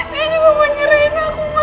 dia juga mau nyerahin aku mak